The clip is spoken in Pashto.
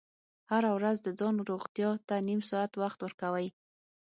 هره ورځ د ځان روغتیا ته نیم ساعت وخت ورکوئ.